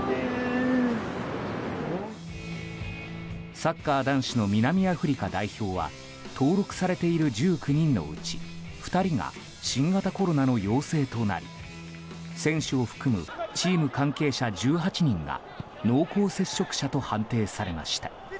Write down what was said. サッカー男子の南アフリカ代表は登録されている１９人のうち２人が新型コロナの陽性となり選手を含むチーム関係者１８人が濃厚接触者と判定されました。